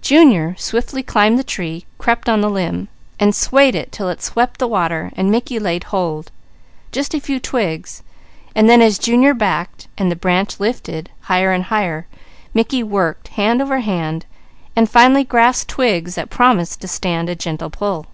Junior swiftly climbed the tree, crept on the limb, and swayed it till it swept the water, then Mickey laid hold; just a few twigs, and then as Junior backed, and the branch lifted higher and higher, Mickey worked, hand over hand, and finally grasped twigs that promised to stand a gentle pull.